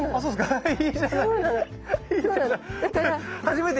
はい。